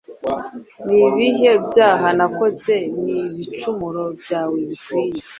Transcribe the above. Ni ibihe byaha nakoze ni ibicumuro byawe bikwiye.